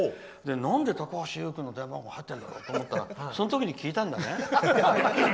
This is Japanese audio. なんで高橋優君の電話番号が入ってるんだろうと思ったらその時に聞いたんだね？